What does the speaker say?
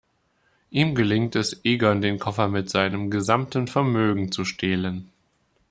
Ihm gelingt es, Egon den Koffer mit seinem gesamten Vermögen zu stehlen.